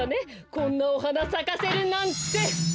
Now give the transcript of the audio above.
こんなおはなさかせるなんて。